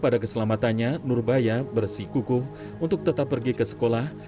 pada keselamatannya nurbaya bersikuku untuk tetap pergi ke sekolah